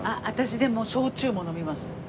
私でも焼酎も飲みます。